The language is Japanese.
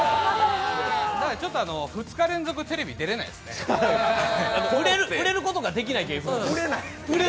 ２日連続テレビに出られないですね売れることができない芸風なんです。